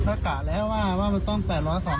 กระกะแร่นะว่ามันต้องแปบร้อย๒ครัน